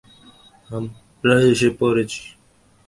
আমরা এসে পড়েছি।